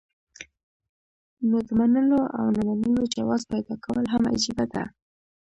نو د منلو او نۀ منلو جواز پېدا کول هم عجيبه ده